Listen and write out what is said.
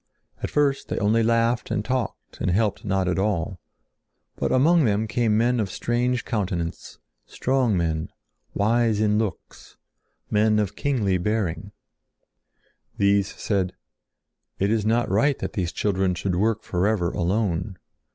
At first they only laughed and talked, and helped not at all. But among them came men of strange countenance, strong men, wise in looks, men of kingly bearing. [Illustration: CLEARING THE PLAIN] These said: "It is not right that these children should work for ever alone."